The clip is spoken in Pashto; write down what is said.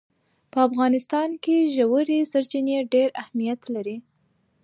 په افغانستان کې ژورې سرچینې ډېر اهمیت لري.